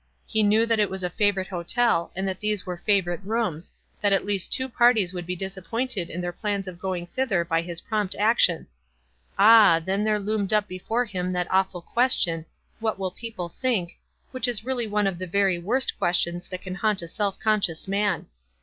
He knew that it was a favorite hotel, and that these were favorite rooms — that at least two parties would be disappointed in their plans of going thither by his prompt action. Ah, then there loomed up before him that awful question, WISE AND OTHERWISE. 139 What will people think? which is really one of the very worst questions that can haunt a self conscious mau.